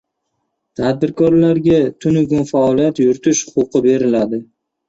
Tadbirkorlarga tunu kun faoliyat yuritish huquqi beriladi